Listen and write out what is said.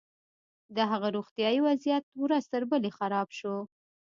د هغه روغتيايي وضعيت ورځ تر بلې خراب شو.